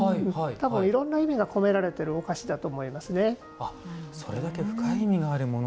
いろんな意味が込められているお菓子だと思いますね。